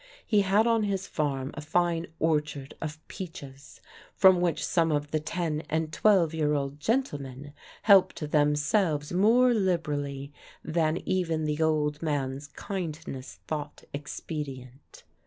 He had on his farm a fine orchard of peaches, from which some of the ten and twelve year old gentlemen helped themselves more liberally than even the old man's kindness thought expedient.